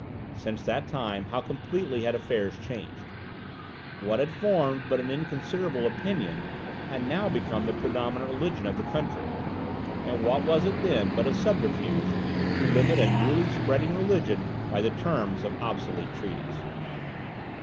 Since that time, how completely had affairs changed! What then formed but an inconsiderable opinion, had now become the predominant religion of the country. And what was it then, but a subterfuge to limit a newly spreading religion by the terms of obsolete treaties?